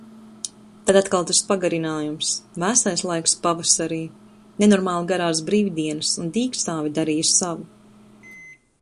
Tad atkal tas pagarinājums. Vēsais laiks pavasarī. Nenormāli garās brīvdienas un dīkstāve darīja savu.